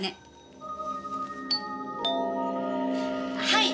はい！